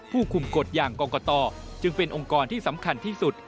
ผู้คุมกฎอย่างกรกตจึงเป็นองค์กรที่สำคัญที่สุด